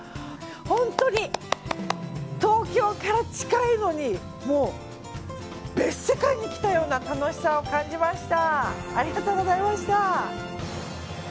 本当に東京から近いのにもう、別世界に来たような楽しさを感じました。